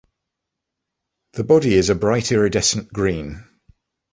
The body is a bright iridescent green.